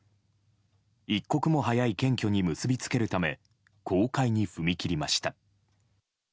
一刻も早い検挙に結びつけるため公開に踏み切りました。